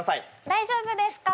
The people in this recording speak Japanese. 大丈夫ですか？